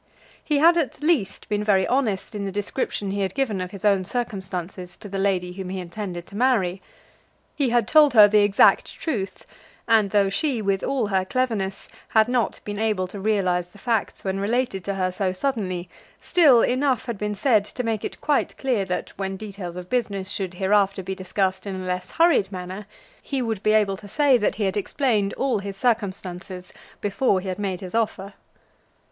He had at least been very honest in the description he had given of his own circumstances to the lady whom he intended to marry. He had told her the exact truth; and though she, with all her cleverness, had not been able to realise the facts when related to her so suddenly, still enough had been said to make it quite clear that, when details of business should hereafter be discussed in a less hurried manner, he would be able to say that he had explained all his circumstances before he had made his offer.